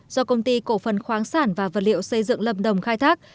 do công ty cổ phần khoáng sản và vật liệu xây dựng lâm đồng khai thác